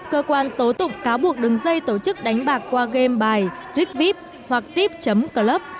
cơ quan tố tục cáo buộc đứng dây tổ chức đánh bạc qua game bài rikvip hoặc tip club